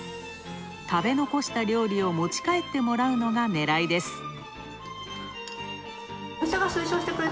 食べ残した料理を持ち帰ってもらうのが狙いです。